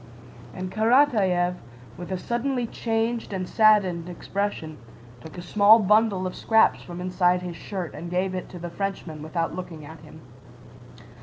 And Karatáev, with a suddenly changed and saddened expression, took a small bundle of scraps from inside his shirt and gave it to the Frenchman without looking at him.